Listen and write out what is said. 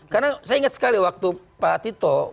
karena saya ingat sekali waktu pak tito